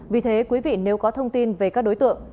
vì thế quý vị nếu có thông tin về các đối tượng